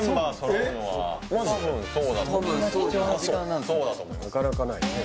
なかなかないね